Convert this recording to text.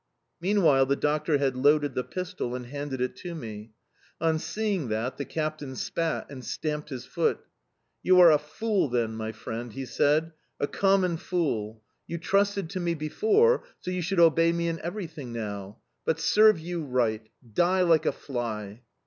Meanwhile the doctor had loaded the pistol and handed it to me. On seeing that, the captain spat and stamped his foot. "You are a fool, then, my friend," he said: "a common fool!... You trusted to me before, so you should obey me in everything now... But serve you right! Die like a fly!"...